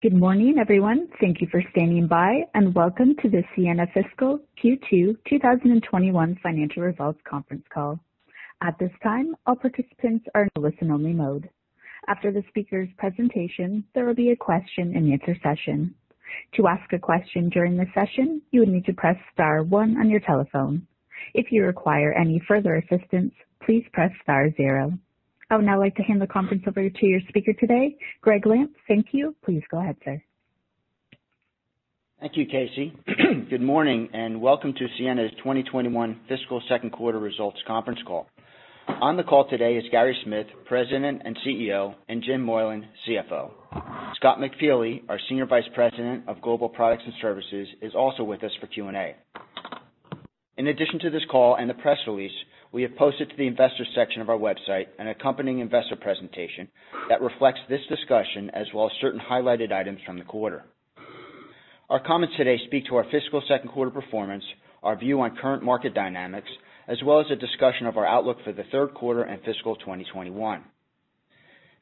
Good morning, everyone. Thank you for standing by, welcome to the Ciena Fiscal Q2 2021 Financial Results Conference Call. At this time, all participants are in listen-only mode. After the speaker's presentation, there will be a question-and-answer session. To ask a question during the session, you would need to press star one on your telephone. If you require any further assistance, please press star zero. I would now like to hand the conference over to your speaker today, Gregg Lampf. Thank you. Please go ahead, sir. Thank you, Casey. Good morning, and welcome to Ciena's 2021 fiscal second quarter results conference call. On the call today is Gary Smith, President and CEO, and Jim Moylan, CFO. Scott McFeely, our Senior Vice President of Global Products and Services, is also with us for Q&A. In addition to this call and the press release, we have posted to the investors section of our website, an accompanying investor presentation that reflects this discussion as well as certain highlighted items from the quarter. Our comments today speak to our fiscal second quarter performance, our view on current market dynamics, as well as a discussion of our outlook for the third quarter and fiscal 2021.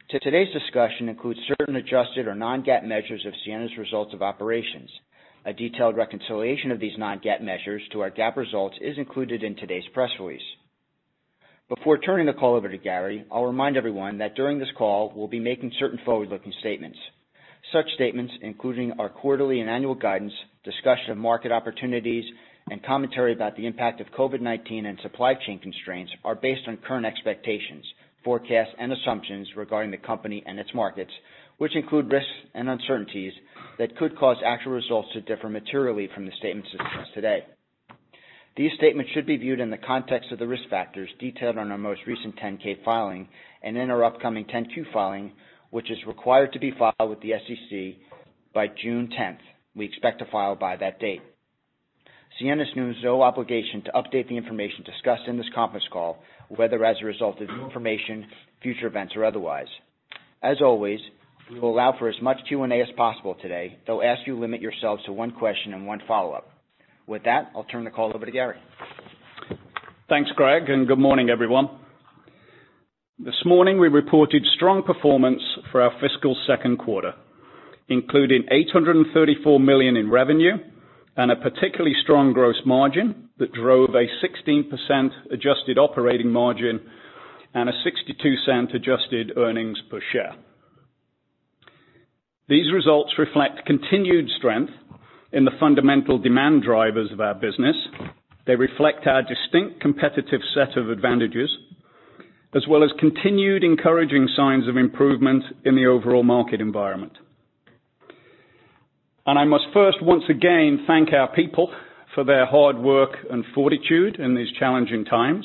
Today's discussion includes certain adjusted or non-GAAP measures of Ciena's results of operations. A detailed reconciliation of these non-GAAP measures to our GAAP results is included in today's press release. Before turning the call over to Gary, I'll remind everyone that during this call, we'll be making certain forward-looking statements. Such statements, including our quarterly and annual guidance, discussion of market opportunities, and commentary about the impact of COVID-19 and supply chain constraints, are based on current expectations, forecasts, and assumptions regarding the company and its markets, which include risks and uncertainties that could cause actual results to differ materially from the statements discussed today. These statements should be viewed in the context of the risk factors detailed on our most recent 10-K filing and in our upcoming 10-Q filing, which is required to be filed with the SEC by June 10th. We expect to file by that date. Ciena assumes no obligation to update the information discussed in this conference call, whether as a result of new information, future events, or otherwise. As always, we will allow for as much Q&A as possible today, though ask you limit yourselves to one question and one follow-up. With that, I'll turn the call over to Gary. Thanks, Gregg, good morning, everyone. This morning, we reported strong performance for our fiscal second quarter, including $834 million in revenue and a particularly strong gross margin that drove a 16% adjusted operating margin and a $0.62 adjusted earnings per share. These results reflect continued strength in the fundamental demand drivers of our business. They reflect our distinct competitive set of advantages, as well as continued encouraging signs of improvement in the overall market environment. I must first, once again, thank our people for their hard work and fortitude in these challenging times.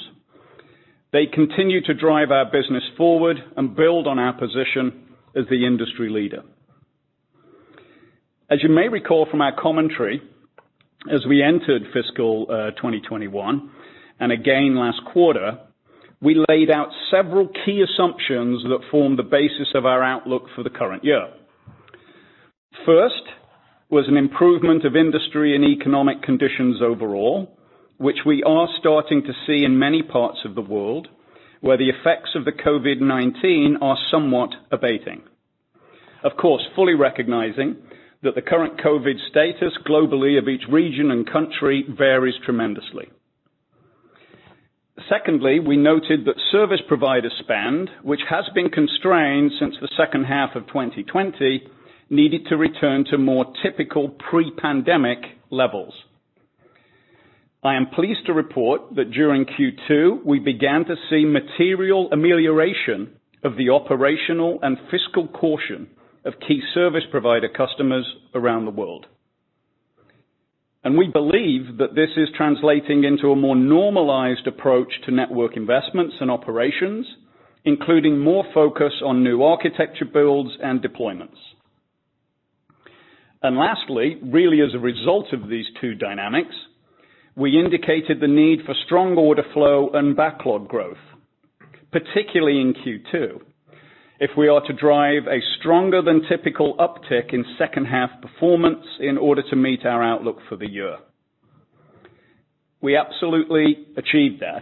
They continue to drive our business forward and build on our position as the industry leader. As you may recall from our commentary, as we entered fiscal 2021, again last quarter, we laid out several key assumptions that form the basis of our outlook for the current year. First was an improvement of industry and economic conditions overall, which we are starting to see in many parts of the world, where the effects of COVID-19 are somewhat abating. Of course, fully recognizing that the current COVID status globally of each region and country varies tremendously. Secondly we noted that service provider spend, which has been constrained since the second half of 2020, needed to return to more typical pre-pandemic levels. I am pleased to report that during Q2, we began to see material amelioration of the operational and fiscal caution of key service provider customers around the world. We believe that this is translating into a more normalized approach to network investments and operations, including more focus on new architecture builds and deployments. Lastly, really as a result of these two dynamics, we indicated the need for strong order flow and backlog growth, particularly in Q2, if we are to drive a stronger than typical uptick in second half performance in order to meet our outlook for the year. We absolutely achieved that,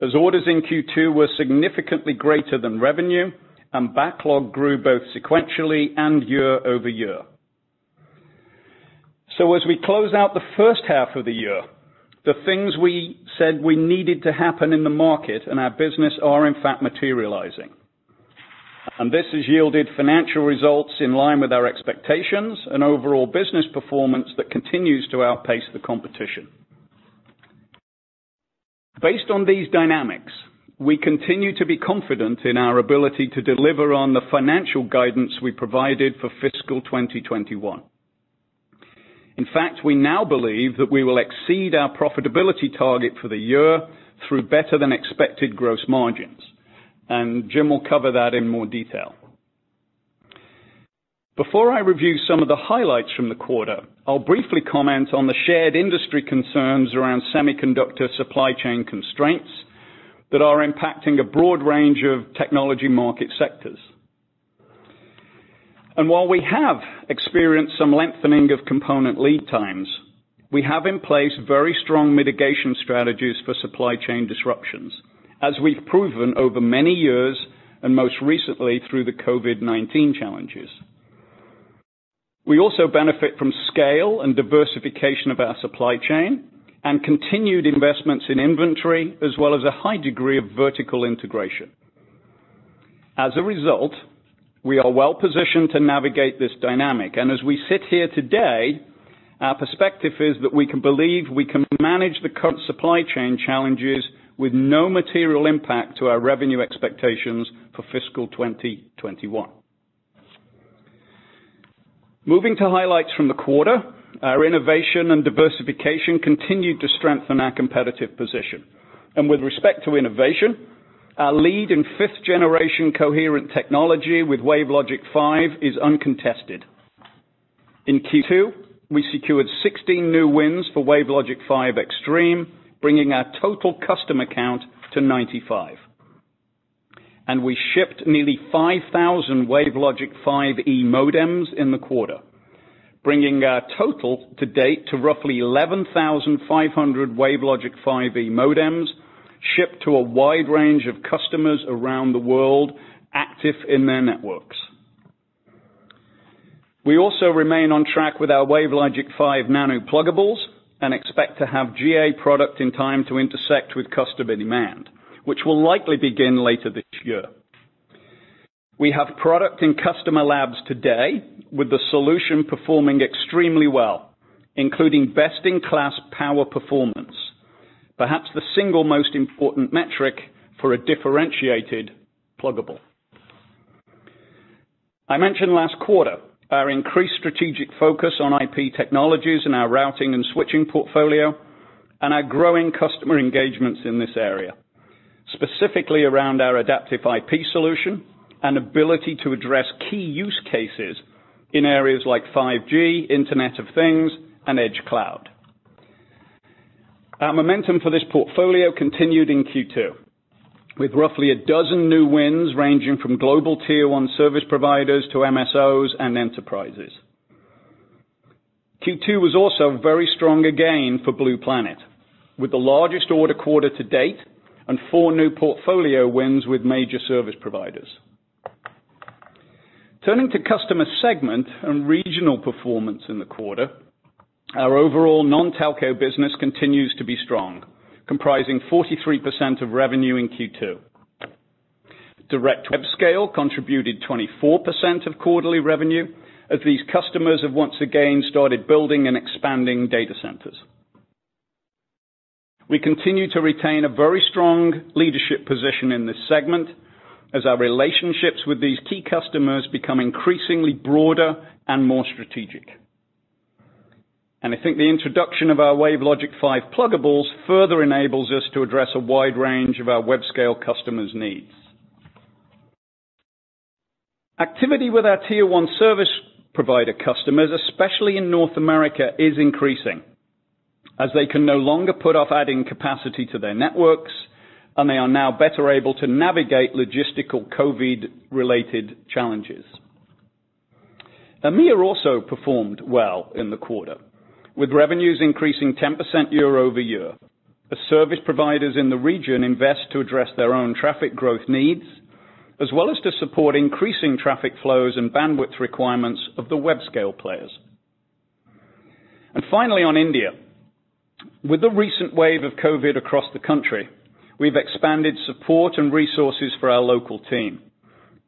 as orders in Q2 were significantly greater than revenue, and backlog grew both sequentially and year-over-year. As we close out the first half of the year, the things we said we needed to happen in the market and our business are in fact materializing. This has yielded financial results in line with our expectations and overall business performance that continues to outpace the competition. Based on these dynamics, we continue to be confident in our ability to deliver on the financial guidance we provided for fiscal 2021. In fact, we now believe that we will exceed our profitability target for the year through better than expected gross margins, and Jim will cover that in more detail. Before I review some of the highlights from the quarter, I'll briefly comment on the shared industry concerns around semiconductor supply chain constraints that are impacting a broad range of technology market sectors. While we have experienced some lengthening of component lead times. We have in place very strong mitigation strategies for supply chain disruptions, as we've proven over many years, and most recently through the COVID-19 challenges. We also benefit from scale and diversification of our supply chain and continued investments in inventory, as well as a high degree of vertical integration. As a result, we are well-positioned to navigate this dynamic. As we sit here today, our perspective is that we believe we can manage the current supply chain challenges with no material impact to our revenue expectations for fiscal 2021. Moving to highlights from the quarter, our innovation and diversification continued to strengthen our competitive position. With respect to innovation, our lead in fifth generation coherent technology with WaveLogic 5 is uncontested. In Q2, we secured 16 new wins for WaveLogic 5 Extreme, bringing our total customer count to 95. We shipped nearly 5,000 WaveLogic 5e modems in the quarter, bringing our total to date to roughly 11,500 WaveLogic 5e modems, shipped to a wide range of customers around the world, active in their networks. We also remain on track with our WaveLogic 5 Nano pluggables and expect to have GA product in time to intersect with customer demand, which will likely begin later this year. We have product in customer labs today with the solution performing extremely well, including best-in-class power performance, perhaps the single most important metric for a differentiated pluggable. I mentioned last quarter our increased strategic focus on IP technologies in our Routing and Switching portfolio and our growing customer engagements in this area, specifically around our Adaptive IP solution and ability to address key use cases in areas like 5G, Internet of Things, and Edge Cloud. Our momentum for this portfolio continued in Q2, with roughly 12 new wins ranging from global Tier 1 service providers to MSOs and enterprises. Q2 was also very strong again for Blue Planet, with the largest order quarter to date and four new portfolio wins with major service providers. Turning to customer segment and regional performance in the quarter, our overall non-telco business continues to be strong, comprising 43% of revenue in Q2. Direct web scale contributed 24% of quarterly revenue, as these customers have once again started building and expanding data centers. We continue to retain a very strong leadership position in this segment as our relationship with these key customers become increasingly broader and more strategic. I think the introduction of our WaveLogic 5 pluggables further enables us to address a wide range of our web scale customers' needs. Activity with our Tier 1 service provider customers, especially in North America, is increasing as they can no longer put off adding capacity to their networks, and they are now better able to navigate logistical COVID-19-related challenges. EMEA also performed well in the quarter, with revenues increasing 10% year-over-year as service providers in the region invest to address their own traffic growth needs, as well as to support increasing traffic flows and bandwidth requirements of the web scale players. Finally, on India. With the recent wave of COVID-19 across the country, we've expanded support and resources for our local team,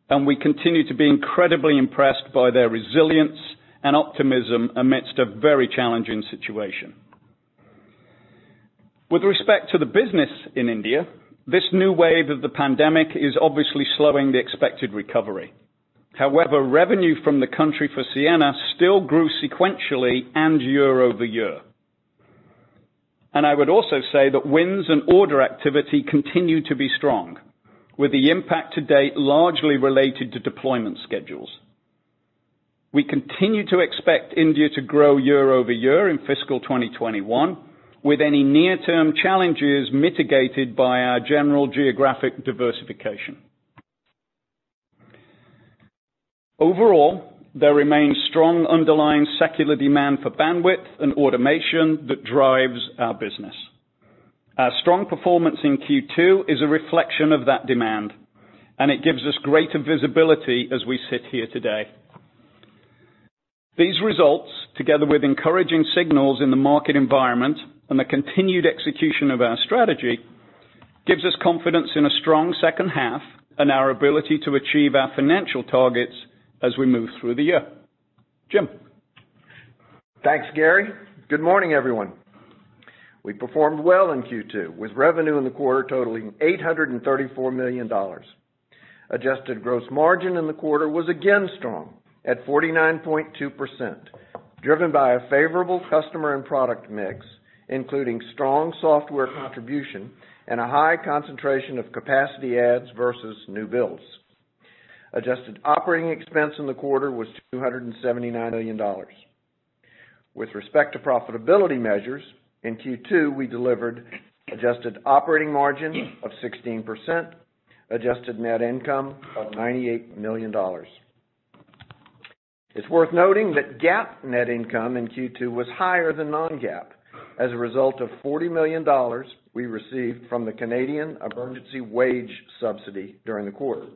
and we continue to be incredibly impressed by their resilience and optimism amidst a very challenging situation. With respect to the business in India, this new wave of the pandemic is obviously slowing the expected recovery. However, revenue from the country for Ciena still grew sequentially and year-over-year. I would also say that wins and order activity continue to be strong, with the impact to date largely related to deployment schedules. We continue to expect India to grow year-over-year in fiscal 2021, with any near-term challenges mitigated by our general geographic diversification. Overall, there remains strong underlying secular demand for bandwidth and automation that drives our business. Our strong performance in Q2 is a reflection of that demand. It gives us greater visibility as we sit here today. These results, together with encouraging signals in the market environment and the continued execution of our strategy, give us confidence in a strong second half and our ability to achieve our financial targets as we move through the year. Jim. Thanks, Gary. Good morning, everyone. We performed well in Q2, with revenue in the quarter totaling $834 million. Adjusted gross margin in the quarter was again strong at 49.2%, driven by a favorable customer and product mix, including strong software contribution and a high concentration of capacity adds versus new builds. Adjusted operating expense in the quarter was $279 million. With respect to profitability measures, in Q2, we delivered adjusted operating margin of 16%, adjusted net income of $98 million. It's worth noting that GAAP net income in Q2 was higher than non-GAAP as a result of $40 million we received from the Canada Emergency Wage Subsidy during the quarter.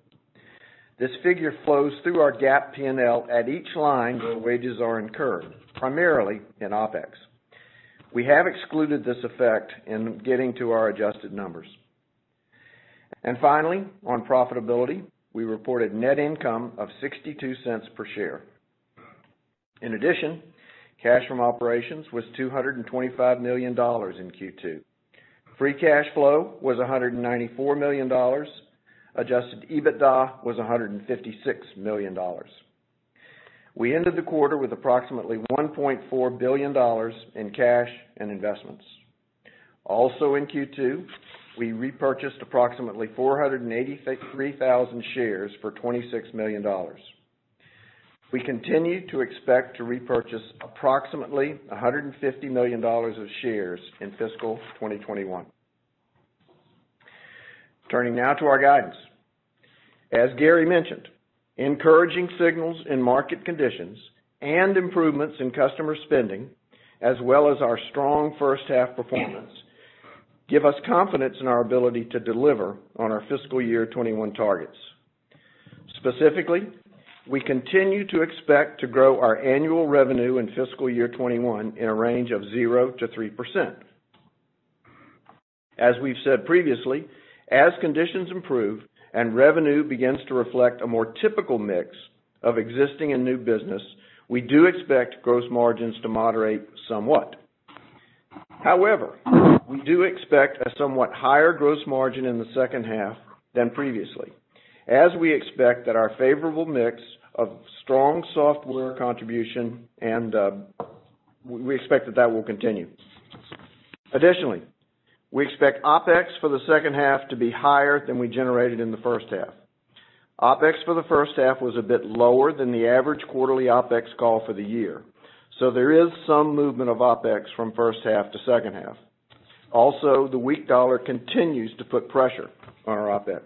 This figure flows through our GAAP P&L at each line where wages are incurred, primarily in OpEx. We have excluded this effect in getting to our adjusted numbers. Finally, on profitability, we reported net income of $0.62 per share. In addition, cash from operations was $225 million in Q2. Free cash flow was $194 million. Adjusted EBITDA was $156 million. We ended the quarter with approximately $1.4 billion in cash and investments. Also in Q2, we repurchased approximately 483,000 shares for $26 million. We continue to expect to repurchase approximately $150 million of shares in fiscal 2021. Turning now to our guidance. As Gary mentioned, encouraging signals in market conditions and improvements in customer spending, as well as our strong first half performance, give us confidence in our ability to deliver on our fiscal year 2021 targets. Specifically, we continue to expect to grow our annual revenue in fiscal year 2021 in a range of 0%-3%. As we've said previously, as conditions improve and revenue begins to reflect a more typical mix of existing and new business, we do expect gross margins to moderate somewhat. We do expect a somewhat higher gross margin in the second half than previously, as we expect that our favorable mix of strong software contribution will continue. We expect OpEx for the second half to be higher than we generated in the first half. OpEx for the first half was a bit lower than the average quarterly OpEx call for the year. There is some movement of OpEx from first half to second half. The weak dollar continues to put pressure on our OpEx.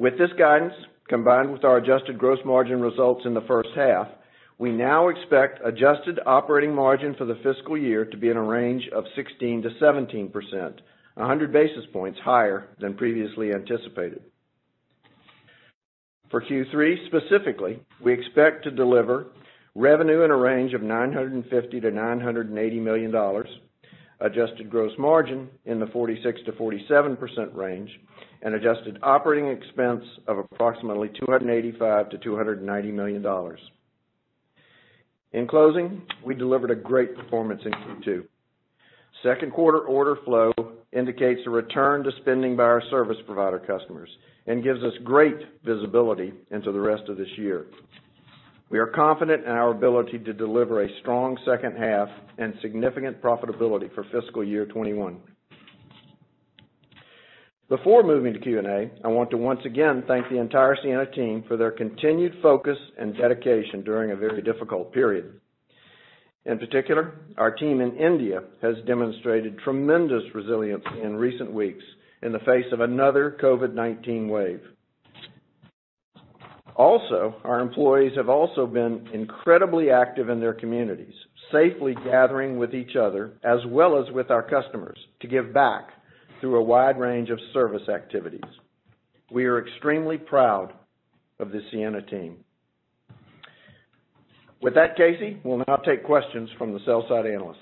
With this guidance, combined with our adjusted gross margin results in the first half, we now expect adjusted operating margin for the fiscal year to be in a range of 16%-17%, 100 basis points higher than previously anticipated. For Q3, specifically, we expect to deliver revenue in a range of $950 million-$980 million, adjusted gross margin in the 46%-47% range, and adjusted operating expense of approximately $285 million-$290 million. In closing, we delivered a great performance in Q2. Second quarter order flow indicates a return to spending by our service provider customers and gives us great visibility into the rest of this year. We are confident in our ability to deliver a strong second half and significant profitability for fiscal year 2021. Before moving to Q&A, I want to once again thank the entire Ciena team for their continued focus and dedication during a very difficult period. In particular, our team in India has demonstrated tremendous resilience in recent weeks in the face of another COVID-19 wave. Also, our employees have also been incredibly active in their communities, safely gathering with each other as well as with our customers to give back through a wide range of service activities. We are extremely proud of the Ciena team. With that, Casey, we'll now take questions from the sell-side analysts.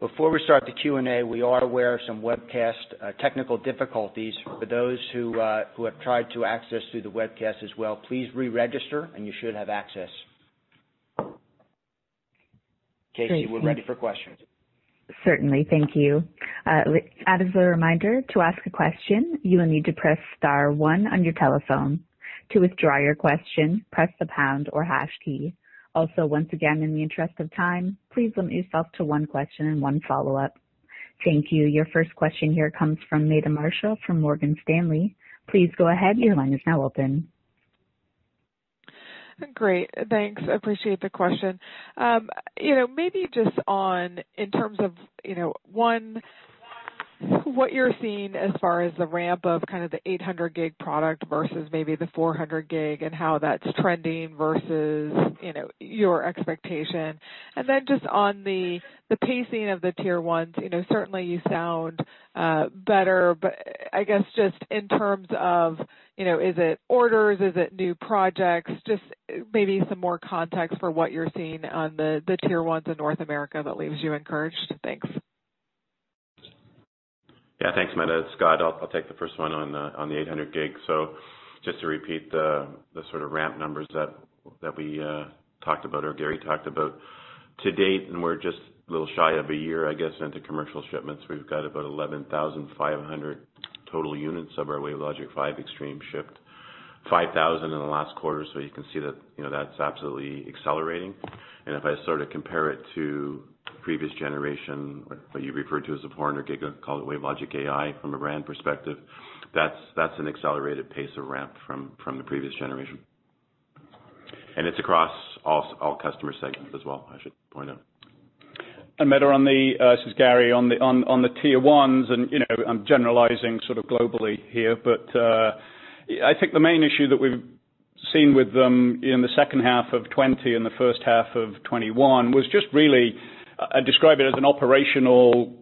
Before we start the Q&A, we are aware of some webcast technical difficulties. For those who have tried to access through the webcast as well, please re-register and you should have access. Casey, we're ready for questions. Certainly. Thank you. As a reminder, to ask a question, you will need to press star one on your telephone. To withdraw your question, press the pound or hash key. Also, once again, in the interest of time, please limit yourself to one question and one follow-up. Thank you. Your first question here comes from Meta Marshall from Morgan Stanley. Please go ahead. Your line is now open. Great. Thanks. I appreciate the question. Maybe just on, in terms of, one, what you're seeing as far as the ramp up, 800 Gb product versus maybe 400 Gb and how that's trending versus your expectation. Then just on the pacing of the Tier 1s. Certainly, you sound better, but I guess just in terms of, is it orders? Is it new projects? Just maybe some more context for what you're seeing on the Tier 1s in North America that leaves you encouraged. Thanks. Yeah, thanks, Meta. It's Scott. I'll take the first one on 800 Gb. Just to repeat the sort of ramp numbers that Gary talked about. To date, and we're just a little shy of a year, I guess, into commercial shipments, we've got about 11,500 total units of our WaveLogic 5 Extreme shipped, 5,000 in the last quarter. You can see that's absolutely accelerating. If I sort of compare it to previous generation that you referred to as a 400G, call it WaveLogic Ai from a ramp perspective, that's an accelerated pace of ramp from the previous generation. It's across all customer segments as well, I should point out. Meta on the, this is Gary, on the Tier 1s and I'm generalizing sort of globally here, but I think the main issue that we've seen with them in the second half of 2020 and the first half of 2021 was just really, I describe it as an operational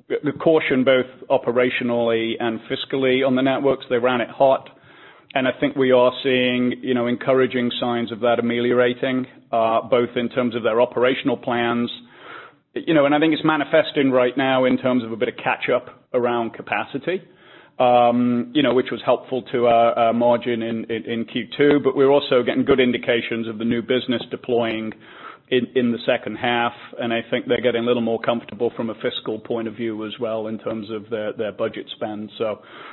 caution both operationally and fiscally on the networks. They ran it hot. I think we are seeing encouraging signs of that ameliorating, both in terms of their operational plans. I think it's manifesting right now in terms of a bit of catch up around capacity, which was helpful to our margin in Q2, but we're also getting good indications of the new business deploying in the second half. I think they're getting a little more comfortable from a fiscal point of view as well in terms of their budget spend.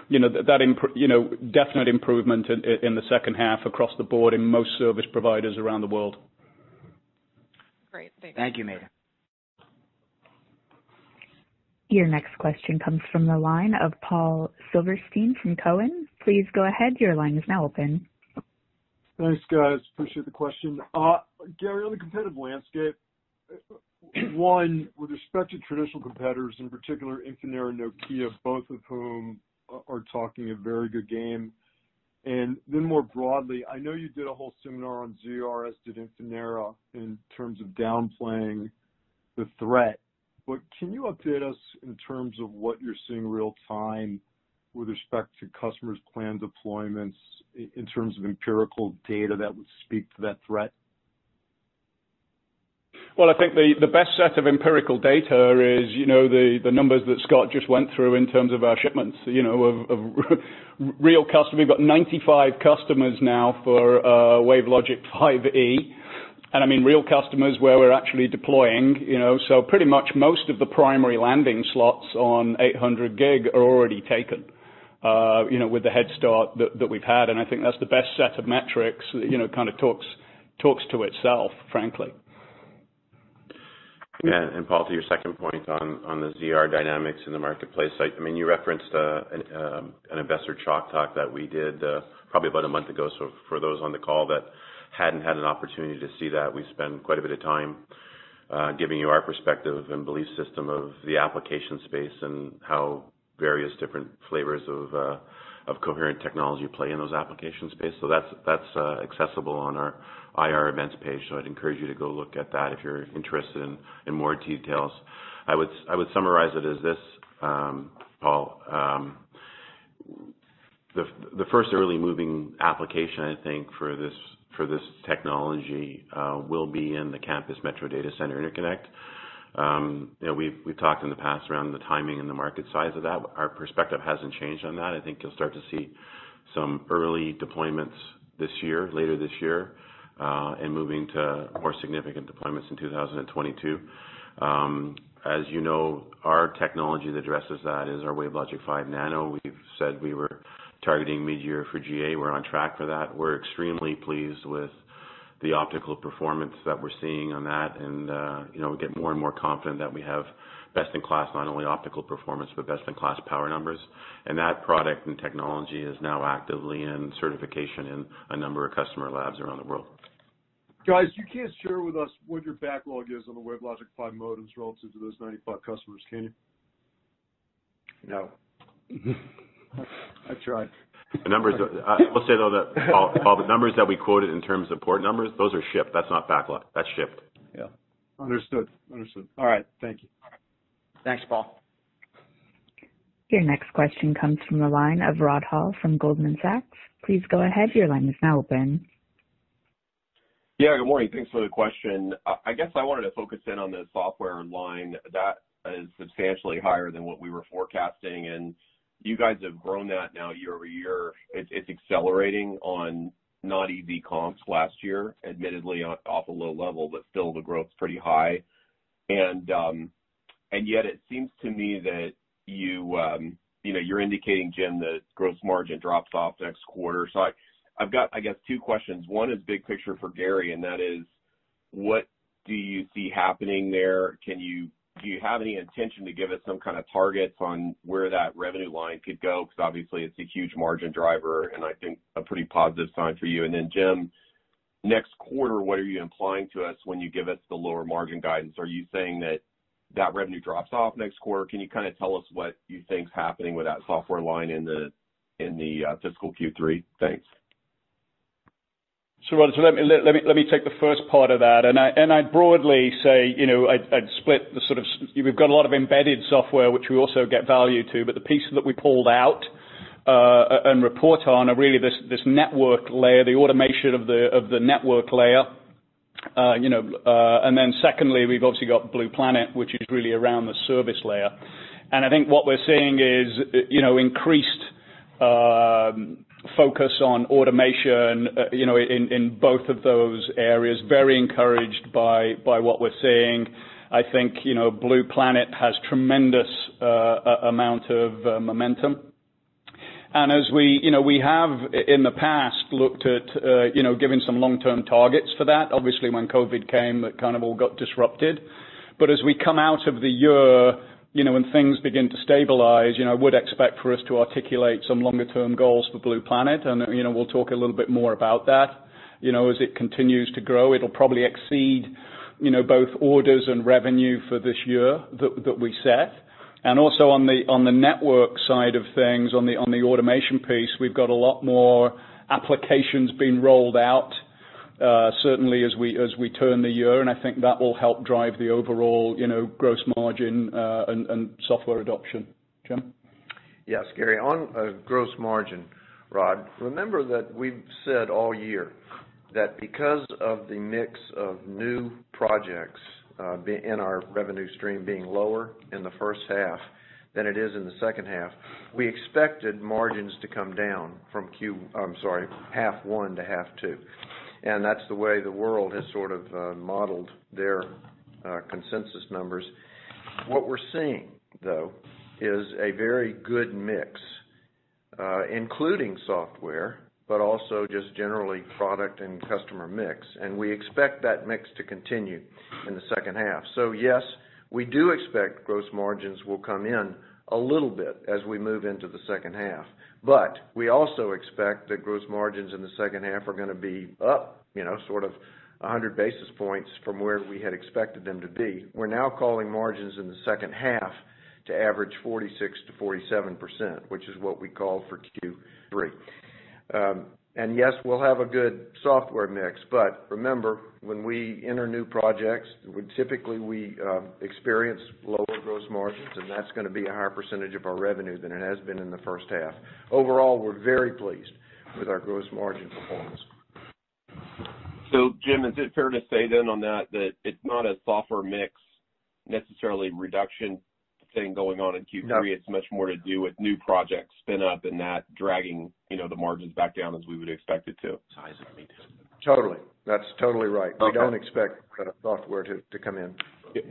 Definite improvement in the second half across the board in most service providers around the world. Great. Thanks. Thank you, Meta. Your next question comes from the line of Paul Silverstein from Cowen. Please go ahead. Thanks, guys. Appreciate the question. Gary, on the competitive landscape, one, with respect to traditional competitors, in particular, Infinera and Nokia, both of whom are talking a very good game. More broadly, I know you did a whole seminar on ZRs, at Infinera, in terms of downplaying the threat, but can you update us in terms of what you're seeing real-time with respect to customers' planned deployments in terms of empirical data that would speak to that threat? Well, I think the best set of empirical data is the numbers that Scott just went through in terms of our shipments, of real customer. We've got 95 customers now for WaveLogic 5e. I mean, real customers where we're actually deploying. Pretty much most of the primary landing slots 800 Gb are already taken, with the head start that we've had. I think that's the best set of metrics, that kind of talks to itself, frankly. Yeah. Paul, to your second point on the ZR dynamics in the marketplace. You referenced an investor chalk talk that we did, probably about a month ago. For those on the call that hadn't had an opportunity to see that, we spend quite a bit of time giving you our perspective and belief system of the application space and how various different flavors of coherent technology play in those application space. That's accessible on our IR events page, so I'd encourage you to go look at that if you're interested in more details. I would summarize it as this, Paul. The first early moving application, I think, for this technology, will be in the campus metro data center interconnect. We've talked in the past around the timing and the market size of that. Our perspective hasn't changed on that. I think you'll start to see some early deployments this year, later this year, and moving to more significant deployments in 2022. As you know, our technology that addresses that is our WaveLogic 5 Nano. We've said we were targeting mid-year for GA. We're on track for that. We're extremely pleased with the optical performance that we're seeing on that and we get more and more confident that we have best in class not only optical performance, but best in class power numbers. That product and technology is now actively in certification in a number of customer labs around the world. Guys, you can't share with us what your backlog is on the WaveLogic 5 modems relative to those 95 customers, can you? No. I tried. I will say, though, that all the numbers that we quoted in terms of port numbers, those are shipped. That's not backlog. That's shipped. Yeah. Understood. All right. Thank you. Thanks, Paul. Your next question comes from the line of Rod Hall from Goldman Sachs. Please go ahead. Good morning. Thanks for the question. I guess I wanted to focus in on the software line that is substantially higher than what we were forecasting, and you guys have grown that now year-over-year. It's accelerating on not easy comps last year, admittedly off a low level, but still the growth's pretty high. Yet it seems to me that you're indicating, Jim, the gross margin drops off next quarter. I've got, I guess, two questions. One is big picture for Gary, and that is, what do you see happening there? Do you have any intention to give us some kind of targets on where that revenue line could go? Because obviously it's a huge margin driver and I think a pretty positive sign for you. Then, Jim, next quarter, what are you implying to us when you give us the lower margin guidance? Are you saying that that revenue drops off next quarter? Can you tell us what you think's happening with that software line in the fiscal Q3? Thanks. Rod, let me take the first part of that. I'd broadly say, I'd split the we've got a lot of embedded software, which we also get value to, but the pieces that we pulled out, and report on are really this network layer, the automation of the network layer. Secondly, we've obviously got Blue Planet, which is really around the service layer. I think what we're seeing is increased focus on automation in both of those areas. Very encouraged by what we're seeing. I think Blue Planet has tremendous amount of momentum. As we have in the past looked at giving some long-term targets for that, obviously when COVID came, that kind of all got disrupted. As we come out of the year, when things begin to stabilize, I would expect for us to articulate some longer-term goals for Blue Planet, and we'll talk a little bit more about that. As it continues to grow, it'll probably exceed both orders and revenue for this year that we set. Also on the network side of things, on the automation piece, we've got a lot more applications being rolled out certainly as we turn the year, and I think that will help drive the overall gross margin and software adoption. Jim? Yes, Gary. On gross margin, Rod, remember that we've said all year that because of the mix of new projects in our revenue stream being lower in the first half than it is in the second half, we expected margins to come down from half one to half two. That's the way the world has sort of modeled their consensus numbers. What we're seeing, though, is a very good mix, including software, but also just generally product and customer mix. We expect that mix to continue in the second half. Yes, we do expect gross margins will come in a little bit as we move into the second half. We also expect that gross margins in the second half are going to be up sort of 100 basis points from where we had expected them to be. We're now calling margins in the second half to average 46%-47%, which is what we call for Q3. Yes, we'll have a good software mix, but remember, when we enter new projects, typically we experience lower gross margins, and that's going to be a higher percentage of our revenue than it has been in the first half. Overall, we're very pleased with our gross margin performance. Jim, is it fair to say then on that it's not a software mix necessarily reduction thing going on in Q3? No. It's much more to do with new project spin up and that dragging the margins back down as we would expect it to. Totally. That's totally right. We don't expect software to come in.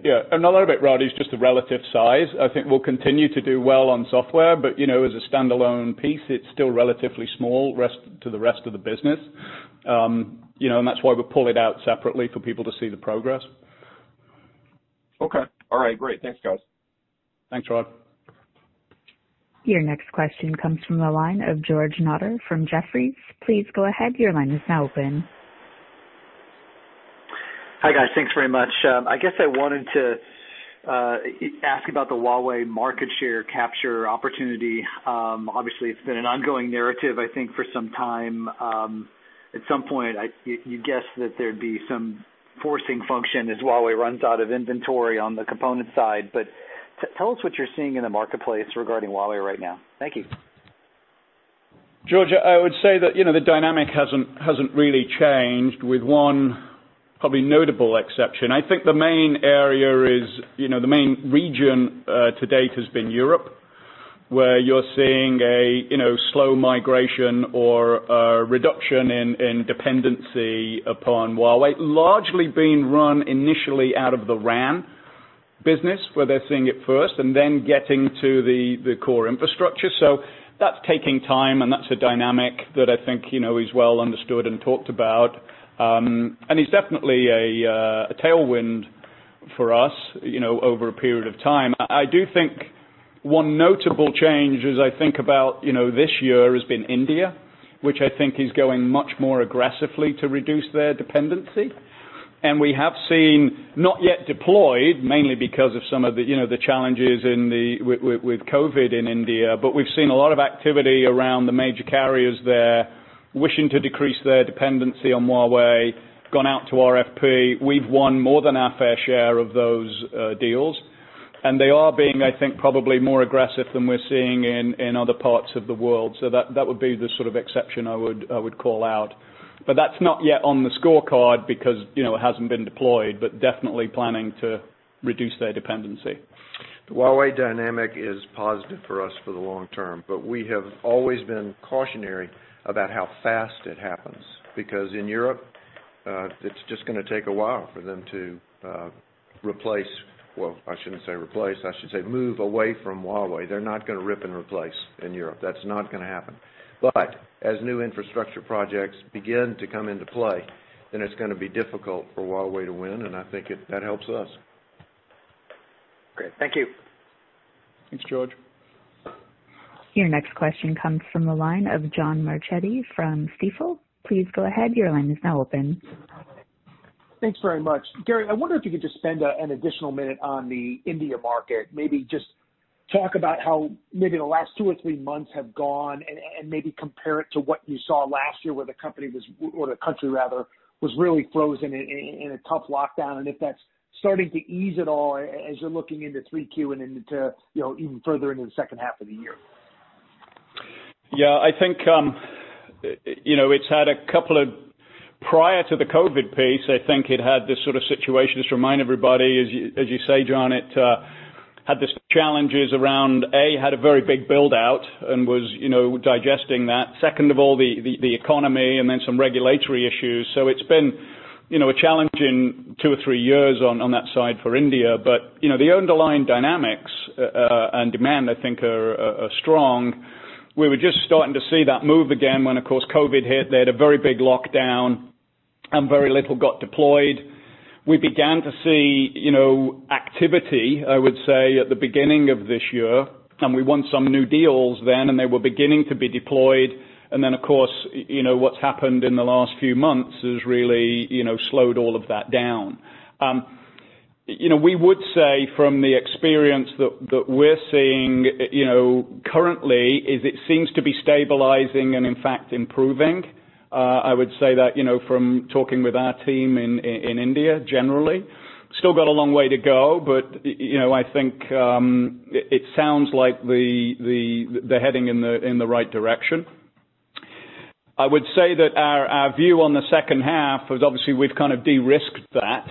Yeah. Another bit, Rod, is just the relative size. I think we'll continue to do well on software, but as a standalone piece, it's still relatively small to the rest of the business. That's why we pull it out separately for people to see the progress. Okay. All right. Great. Thanks, guys. Thanks, Rod. Your next question comes from the line of George Notter from Jefferies. Please go ahead, your line is now open. Hi, guys. Thanks very much. I guess I wanted to ask about the Huawei market share capture opportunity. It's been an ongoing narrative, I think, for some time. At some point, you guess that there'd be some forcing function as Huawei runs out of inventory on the component side. Tell us what you're seeing in the marketplace regarding Huawei right now. Thank you. George, I would say that the dynamic hasn't really changed, with one probably notable exception. I think the main area is the main region to date has been Europe, where you're seeing a slow migration or a reduction in dependency upon Huawei, largely being run initially out of the RAN business, where they're seeing it first, and then getting to the core infrastructure. That's taking time, and that's a dynamic that I think is well understood and talked about. It's definitely a tailwind for us over a period of time. I do think one notable change as I think about this year has been India, which I think is going much more aggressively to reduce their dependency. We have seen, not yet deployed, mainly because of some of the challenges with COVID-19 in India, but we've seen a lot of activity around the major carriers there wishing to decrease their dependency on Huawei, gone out to RFP. We've won more than our fair share of those deals. They are being, I think, probably more aggressive than we're seeing in other parts of the world. That would be the sort of exception I would call out. That's not yet on the scorecard because it hasn't been deployed, but definitely planning to reduce their dependency. The Huawei dynamic is positive for us for the long term. We have always been cautionary about how fast it happens. In Europe, it's just going to take a while for them to replace, well, I shouldn't say replace, I should say move away from Huawei. They're not going to rip and replace in Europe. That's not going to happen. As new infrastructure projects begin to come into play, then it's going to be difficult for Huawei to win, and I think that helps us. Great. Thank you. Thanks, George. Your next question comes from the line of John Marchetti from Stifel. Please go ahead, your line is now open. Thanks very much. Gary, I wonder if you could just spend an additional minute on the India market. Maybe just talk about how maybe the last two or three months have gone and maybe compare it to what you saw last year when the country was really frozen in a tough lockdown. If that's starting to ease at all as you're looking into Q3 and even further into the second half of the year. Yeah, I think prior to the COVID-19 piece, I think it had this sort of situation. Just remind everybody, as you say, John, it had these challenges around, A, had a very big build-out and was digesting that. Second of all, the economy and then some regulatory issues. It's been a challenging two or three years on that side for India. The underlying dynamics and demand, I think, are strong. We were just starting to see that move again when, of course, COVID-19 hit. They had a very big lockdown. Very little got deployed. We began to see activity, I would say, at the beginning of this year, and we won some new deals then, and they were beginning to be deployed. Then, of course, what's happened in the last few months has really slowed all of that down. We would say from the experience that we're seeing currently is it seems to be stabilizing and in fact improving. I would say that from talking with our team in India, generally. Still got a long way to go. I think it sounds like they're heading in the right direction. I would say that our view on the second half is, obviously, we've de-risked that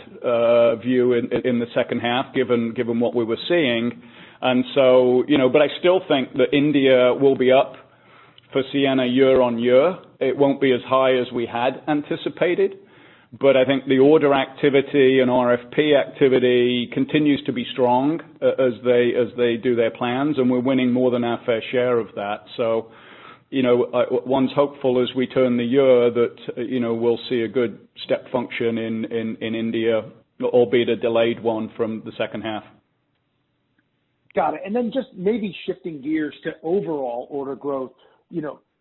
view in the second half, given what we were seeing. I still think that India will be up for Ciena year on year. It won't be as high as we had anticipated, but I think the order activity and RFP activity continues to be strong as they do their plans, and we're winning more than our fair share of that. One's hopeful as we turn the year that we'll see a good step function in India, albeit a delayed one from the second half. Got it. Just maybe shifting gears to overall order growth.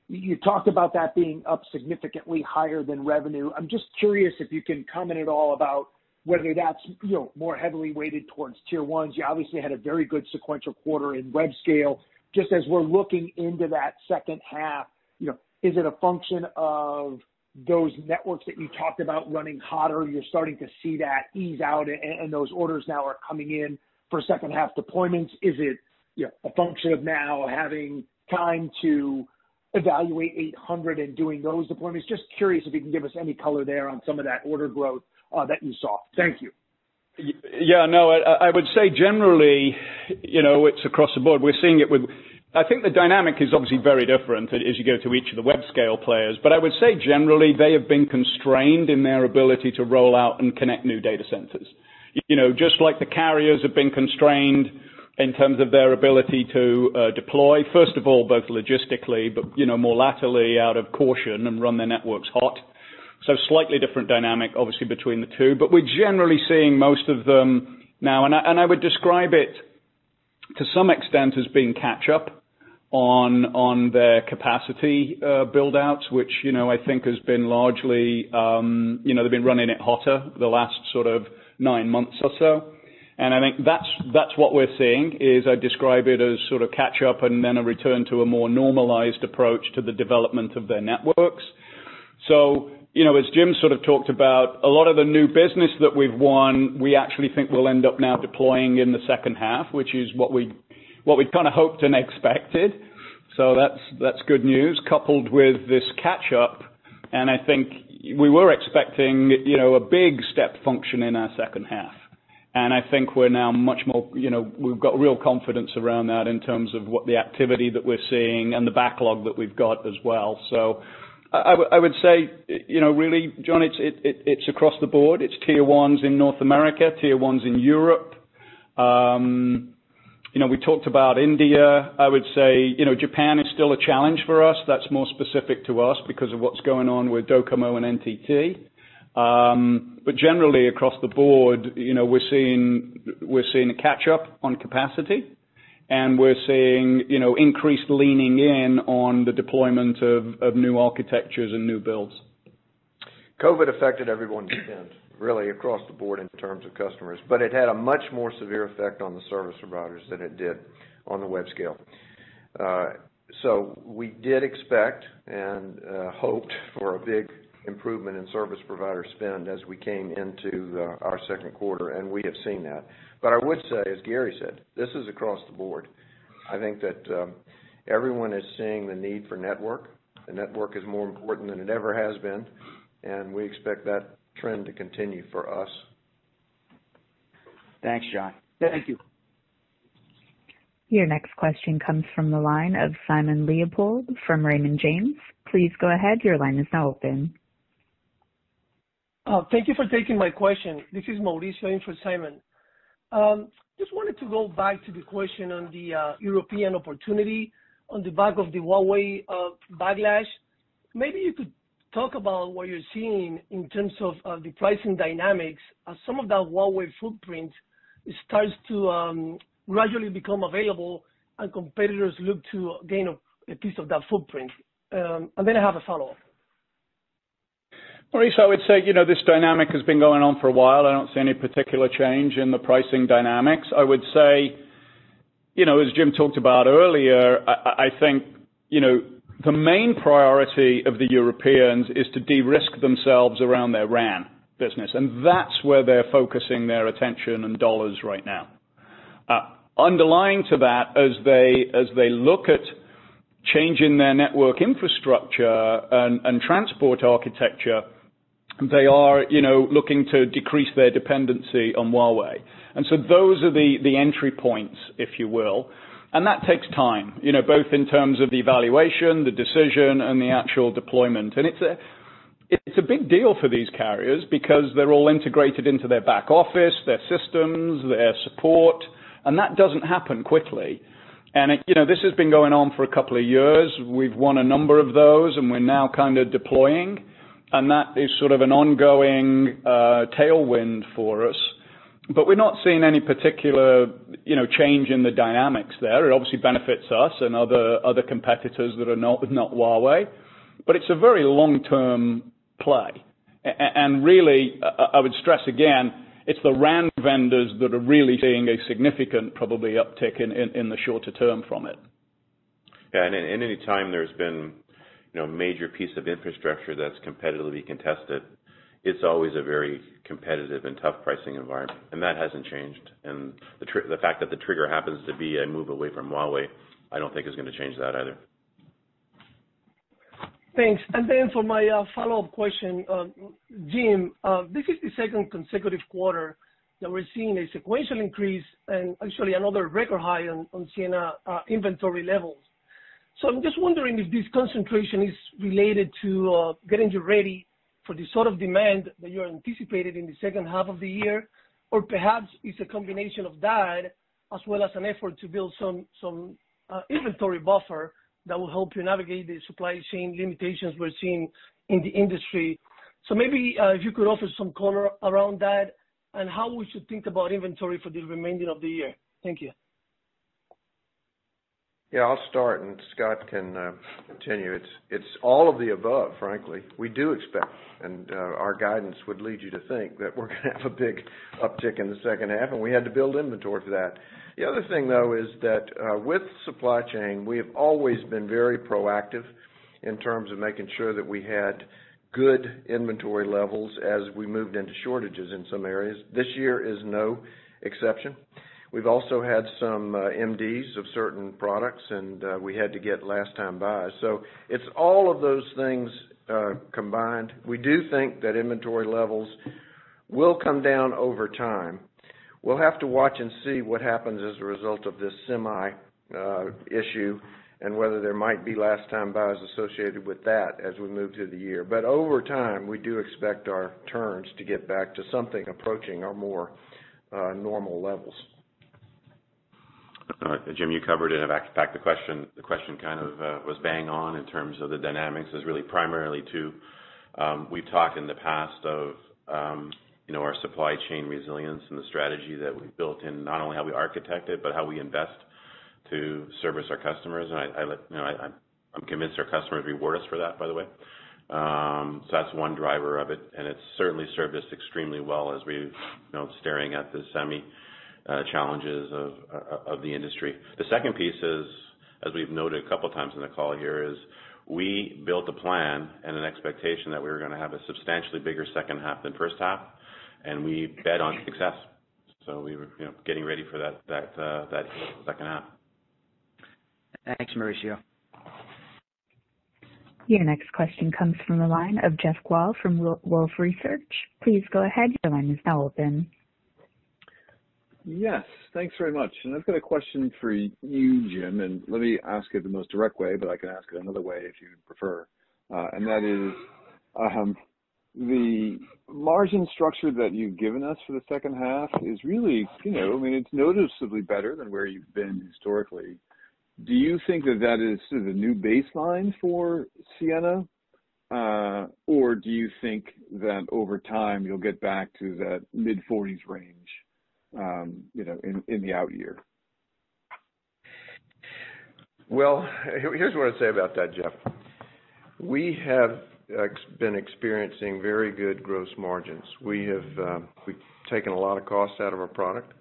You talked about that being up significantly higher than revenue. I'm just curious if you can comment at all about whether that's more heavily weighted towards Tier 1s. You obviously had a very good sequential quarter in web scale. Just as we're looking into that second half, is it a function of those networks that you talked about running hotter, you're starting to see that ease out and those orders now are coming in for second half deployments? Is it a function of now having time to evaluate 800 Gb and doing those deployments? Just curious if you can give us any color there on some of that order growth that you saw. Thank you. Yeah. No, I would say generally, it's across the board. I think the dynamic is obviously very different as you go through each of the web scale players. I would say generally, they have been constrained in their ability to roll out and connect new data centers. Just like the carriers have been constrained in terms of their ability to deploy, first of all, both logistically but more laterally out of caution and run their networks hot. Slightly different dynamic, obviously between the two, but we're generally seeing most of them now. I would describe it, to some extent, as being catch up on their capacity build-outs, which I think has been largely, they've been running it hotter the last nine months or so. I think that's what we're seeing, is I describe it as a sort of catch-up and then a return to a more normalized approach to the development of their networks. As Jim sort of talked about, a lot of the new business that we've won, we actually think we'll end up now deploying in the second half, which is what we'd hoped and expected. That's good news. Coupled with this catch-up, and I think we were expecting a big step function in our second half. I think we've got real confidence around that in terms of what the activity that we're seeing and the backlog that we've got as well. I would say, really, John, it's across the board. It's Tier 1s in North America, Tier 1s in Europe. We talked about India. I would say, Japan is still a challenge for us. That's more specific to us because of what's going on with DOCOMO and NTT. Generally, across the board, we're seeing a catch up on capacity and we're seeing increased leaning in on the deployment of new architectures and new builds. COVID affected everyone's spend, really across the board in terms of customers, but it had a much more severe effect on the service providers than it did on the web scale. We did expect and hoped for a big improvement in service provider spend as we came into our second quarter, and we have seen that. I would say, as Gary said, this is across the board. I think that everyone is seeing the need for network. The network is more important than it ever has been, and we expect that trend to continue for us. Thanks, Jim. Thank you. Your next question comes from the line of Simon Leopold from Raymond James. Please go ahead, your line is now open. Thank you for taking my question. This is Mauricio in for Simon. Just wanted to go back to the question on the European opportunity on the back of the Huawei backlash. Maybe you could talk about what you're seeing in terms of the pricing dynamics as some of that Huawei footprint starts to gradually become available and competitors look to gain a piece of that footprint. I have a follow-up. Mauricio, I would say, this dynamic has been going on for a while. I don't see any particular change in the pricing dynamics. I would say, as Jim talked about earlier, I think the main priority of the Europeans is to de-risk themselves around their RAN business, that's where they're focusing their attention and dollars right now. Underlying to that, as they look at changing their network infrastructure and transport architecture, they are looking to decrease their dependency on Huawei. Those are the entry points, if you will, and that takes time, both in terms of the evaluation, the decision, and the actual deployment. It's a big deal for these carriers because they're all integrated into their back office, their systems, their support That doesn't happen quickly. This has been going on for a couple of years. We've won a number of those, and we're now deploying, and that is sort of an ongoing tailwind for us. We're not seeing any particular change in the dynamics there. It obviously benefits us and other competitors that are not Huawei, but it's a very long-term play. Really, I would stress again, it's the RAN vendors that are really seeing a significant probably uptick in the shorter term from it. Anytime there's been a major piece of infrastructure that's competitively contested, it's always a very competitive and tough pricing environment, and that hasn't changed. The fact that the trigger happens to be a move away from Huawei, I don't think is going to change that either. Thanks. For my follow-up question, Jim, this is the second consecutive quarter that we're seeing a sequential increase and actually another record high on Ciena inventory levels. I'm just wondering if this concentration is related to getting you ready for the sort of demand that you're anticipating in the second half of the year, or perhaps it's a combination of that as well as an effort to build some inventory buffer that will help you navigate the supply chain limitations we're seeing in the industry. Maybe you could offer some color around that and how we should think about inventory for the remainder of the year. Thank you. Yeah, I'll start and Scott can continue. It's all of the above, frankly. We do expect, and our guidance would lead you to think that we're going to have a big uptick in the second half, and we had to build inventory for that. The other thing, though, is that with supply chain, we have always been very proactive in terms of making sure that we had good inventory levels as we moved into shortages in some areas. This year is no exception. We've also had some MDs of certain products, and we had to get last-time buy. It's all of those things combined. We do think that inventory levels will come down over time. We'll have to watch and see what happens as a result of this semi issue and whether there might be last-time buys associated with that as we move through the year. Over time, we do expect our turns to get back to something approaching our more normal levels. Jim, you covered it. The question kind of was bang on in terms of the dynamics is really primarily. We've talked in the past of our supply chain resilience and the strategy that we've built in not only how we architect it, but how we invest to service our customers, and I'm convinced our customers reward us for that, by the way. That's one driver of it, and it's certainly served us extremely well as we're staring at the semi challenges of the industry. The second piece is, as we've noted a couple times on the call here, is we built a plan and an expectation that we were going to have a substantially bigger second half than first half, and we bet on success. We were getting ready for that second half. Thanks, Mauricio. Your next question comes from the line of Jeff Kvaal from Wolfe Research. Please go ahead, your line is now open. Yes, thanks very much. I've got a question for you, Jim, and let me ask it the most direct way, but I can ask it another way if you'd prefer. That is, the margin structure that you've given us for the second half is really noticeably better than where you've been historically. Do you think that that is sort of new baseline for Ciena? Do you think that over time you'll get back to that mid-forties range in the out year? Well, here's what I'd say about that, Jeff. We have been experiencing very good gross margins. We've taken a lot of cost out of our product,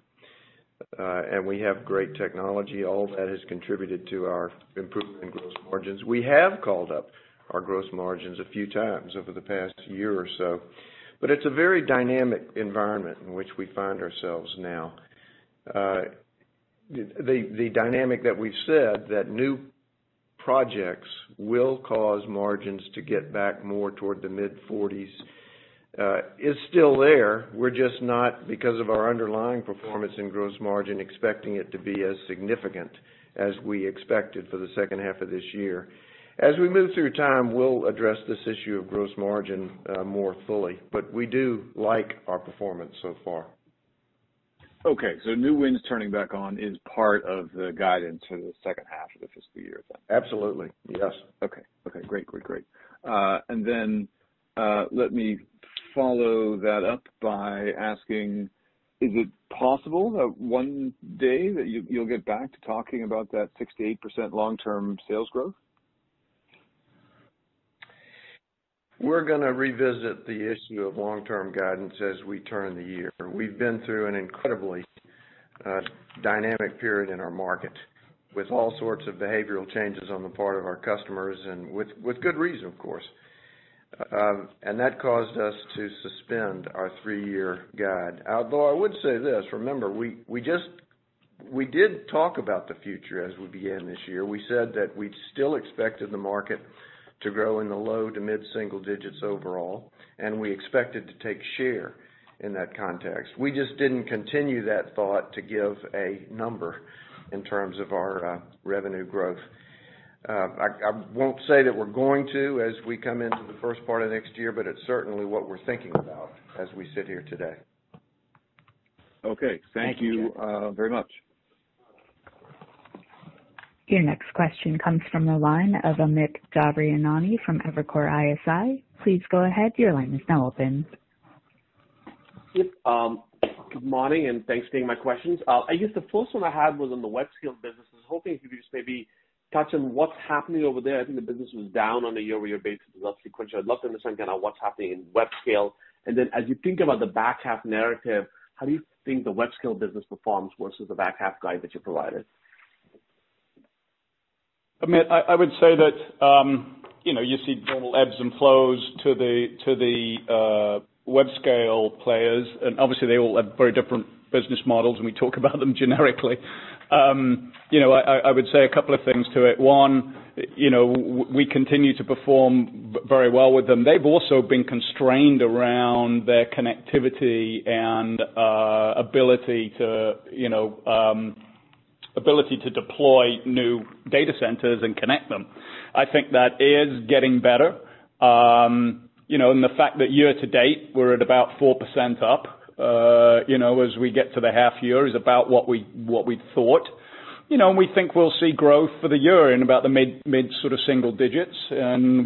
and we have great technology. All of that has contributed to our improvement in gross margins. We have called up our gross margins a few times over the past year or so, but it's a very dynamic environment in which we find ourselves now. The dynamic that we've said, that new projects will cause margins to get back more toward the mid-40s, is still there. We're just not, because of our underlying performance and gross margin, expecting it to be as significant as we expected for the second half of this year. As we move through time, we'll address this issue of gross margin more fully. We do like our performance so far. New wins turning back on is part of the guidance for the second half of the fiscal year. Absolutely. Yes. Okay. Great. Let me follow that up by asking, is it possible that one day that you'll get back to talking about that 6% to 8% long-term sales growth? We're going to revisit the issue of long-term guidance as we turn the year. We've been through an incredibly dynamic period in our market with all sorts of behavioral changes on the part of our customers, and with good reason, of course. That caused us to suspend our three-year guide. Although I would say this, remember, we did talk about the future as we began this year. We said that we still expected the market to grow in the low to mid-single digits overall, and we expected to take share in that context. We just didn't continue that thought to give a number in terms of our revenue growth. I won't say that we're going to as we come into the first part of next year, but it's certainly what we're thinking about as we sit here today. Okay. Thank you very much. Your next question comes from the line of Amit Daryanani from Evercore ISI. Please go ahead, your line is now open. Good morning, and thanks for taking my questions. I guess the first one I had was on the web scale business. I was hoping if you could just maybe touch on what's happening over there. I think the business was down on a year-over-year basis, or sequentially. I'd love to understand what's happening in web scale. As you think about the back half narrative, how do you think the web scale business performs versus the back half guide that you provided? Amit, I would say that you see normal ebbs and flows to the web scale players, and obviously they all have very different business models, and we talk about them generically. I would say a couple of things to it. One, we continue to perform very well with them. They've also been constrained around their connectivity and ability to deploy new data centers and connect them. I think that is getting better. The fact that year to date, we're at about 4% up as we get to the half year is about what we thought. We think we'll see growth for the year in about the mid single digits, and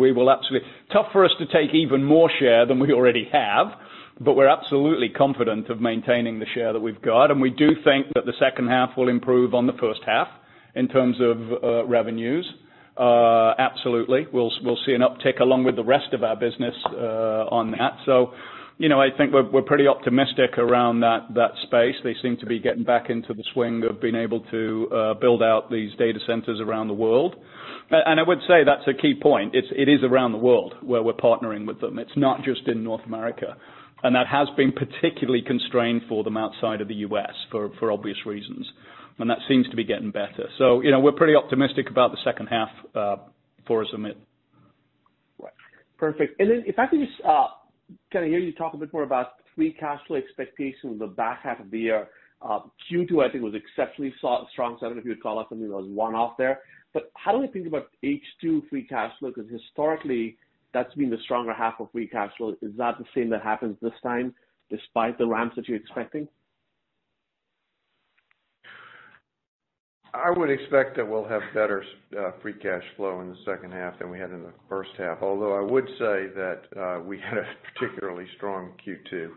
tough for us to take even more share than we already have, but we're absolutely confident of maintaining the share that we've got. We do think that the second half will improve on the first half in terms of revenues. Absolutely. We'll see an uptick along with the rest of our business on that. I think we're pretty optimistic around that space. They seem to be getting back into the swing of being able to build out these data centers around the world. I would say that's a key point. It is around the world where we're partnering with them. It's not just in North America. That has been particularly constrained for them outside of the U.S., for obvious reasons. That seems to be getting better. We're pretty optimistic about the second half for us, Amit. Right. Perfect. If I could just hear you talk a bit more about free cash flow expectations the back half of the year. Q2, I think, was exceptionally strong, so I don't know if you'd call that something that was one-off there. How do we think about H2 free cash flow? Historically, that's been the stronger half of free cash flow. Is that the same that happens this time, despite the ramps that you're expecting? I would expect that we'll have better free cash flow in the second half than we had in the first half, although I would say that we had a particularly strong Q2.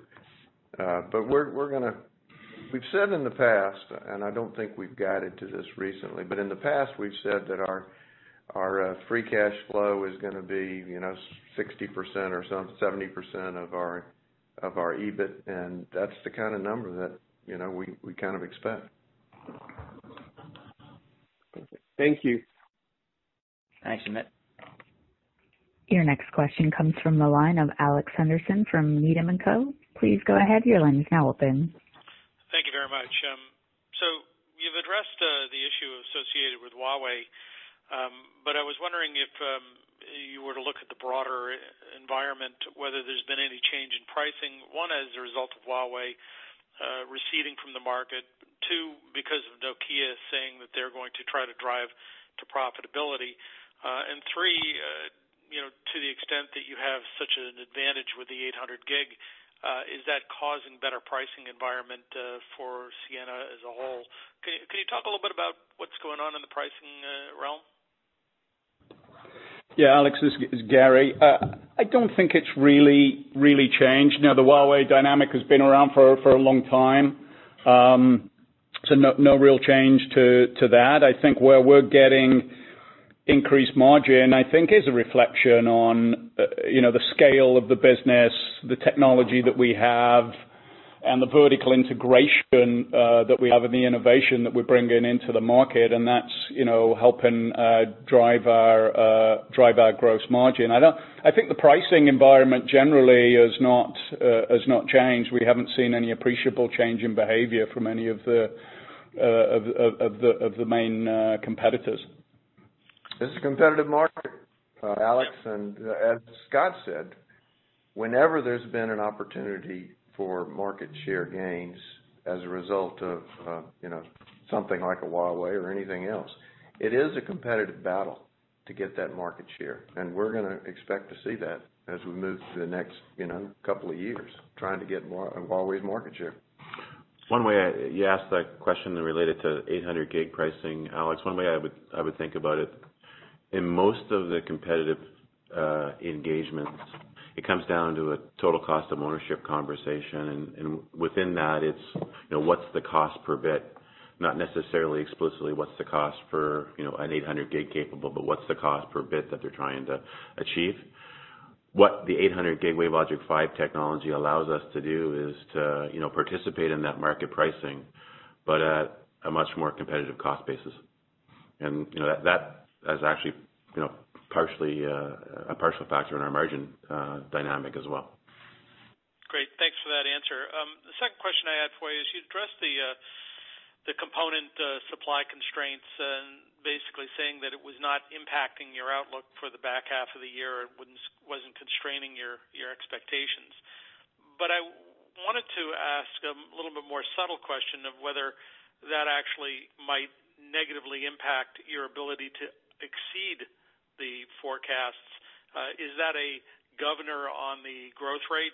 We've said in the past, and I don't think we've guided to this recently, but in the past, we've said that our free cash flow is going to be 60% or 70% of our EBIT, and that's the kind of number that we kind of expect. Perfect. Thank you. Thanks, Amit. Your next question comes from the line of Alex Henderson from Needham & Co. Please go ahead, your line is now open. Thank you very much. You've addressed the issue associated with Huawei, but I was wondering if you were to look at the broader environment, whether there's been any change in pricing, one, as a result of Huawei receding from the market, two, because of Nokia saying that they're going to try to drive to profitability, and three, to the extent that you have such an advantage with 800 Gb, is that causing better pricing environment for Ciena as a whole? Can you talk a little bit about what's going on in the pricing realm? Yeah, Alex, this is Gary. I don't think it's really changed. The Huawei dynamic has been around for a long time. No real change to that. I think where we're getting increased margin, I think is a reflection on the scale of the business, the technology that we have, and the vertical integration that we have and the innovation that we're bringing into the market, and that's helping drive our gross margin. I think the pricing environment generally has not changed. We haven't seen any appreciable change in behavior from any of the main competitors. It's a competitive market, Alex, and as Scott said, whenever there's been an opportunity for market share gains as a result of something like a Huawei or anything else, it is a competitive battle to get that market share. We're going to expect to see that as we move to the next couple of years, trying to get Huawei's market share. You asked that question related 800 Gb pricing, Alex. One way I would think about it, in most of the competitive engagements, it comes down to a total cost of ownership conversation, and within that, it's what's the cost per bit? Not necessarily explicitly what's the cost for 800 Gb capable, but what's the cost per bit that they're trying to achieve. What 800 Gb WaveLogic 5 technology allows us to do is to participate in that market pricing, but at a much more competitive cost basis. That is actually a partial factor in our margin dynamic as well. Great. Thanks for that answer. The second question I had for you is, you addressed the component supply constraints and basically saying that it was not impacting your outlook for the back half of the year. It wasn't constraining your expectations. I wanted to ask a little bit more subtle question of whether that actually might negatively impact your ability to exceed the forecasts. Is that a governor on the growth rate